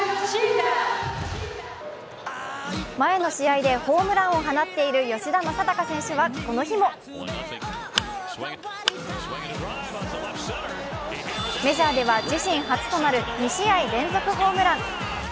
前の試合でホームランを放っている吉田正尚選手はこの日もメジャーでは自身初となる２試合連続ホームラン。